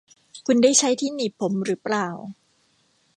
คุณได้ใช้ที่หนีบผมหรือเปล่า ?